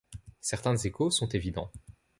Certains échos sont évidents.